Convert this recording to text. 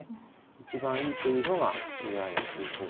一番いいというのがＡＩの推奨してる手ですね。